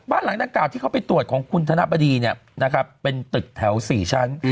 บ้านหลังด้านกล่าวที่เขาไปตรวจของคุณธนปดีเนี่ยนะครับเป็นตึกแถวสี่ชั้น